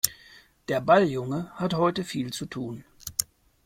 Der Balljunge hat heute viel zu tun.